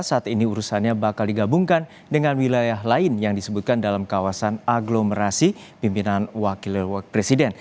saat ini urusannya bakal digabungkan dengan wilayah lain yang disebutkan dalam kawasan aglomerasi pimpinan wakil presiden